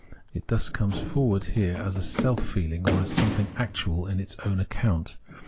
It thus com.es forward here as self feehng, or as something actual on its own account.